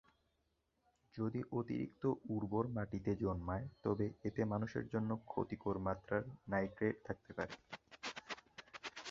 যদি অতিরিক্ত উর্বর মাটিতে জন্মায় তবে এতে মানুষের জন্যও ক্ষতিকর মাত্রার নাইট্রেট থাকতে পারে।